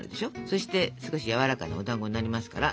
そして少しやわらかなおだんごになりますから。